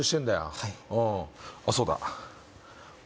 はいおうあっそうだ俺